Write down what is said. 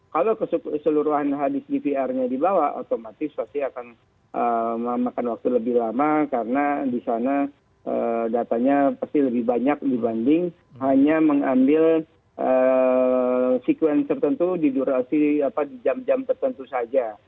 kalau keseluruhan hadis dvr nya dibawa otomatis pasti akan memakan waktu lebih lama karena di sana datanya pasti lebih banyak dibanding hanya mengambil sekuensi tertentu di durasi di jam jam tertentu saja